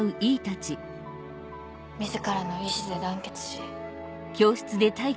自らの意思で団結し。